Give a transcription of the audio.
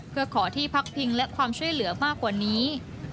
เพื่อขอที่พักพิงและความช่วยเหลือมากกว่านี้